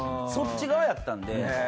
そっち側やったんで。